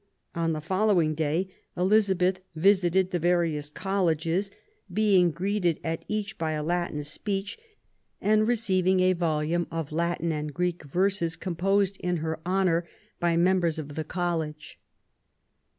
On the following day Elizabeth visited the various Colleges, being greeted at each by a Latin speech, and receiving a volume of Latin and Greek verses composed in her honour by members of the College.